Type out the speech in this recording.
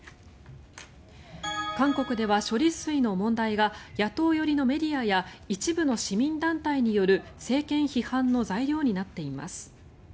韓国では処理水の問題が野党寄りのメディアや一部の市民団体による政権批判の材料になっています。